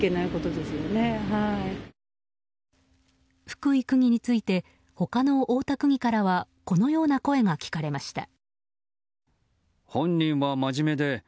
福井区議について他の大田区議からはこのような声が聞かれました。